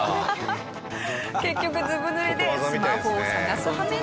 結局ずぶ濡れでスマホを捜すはめに。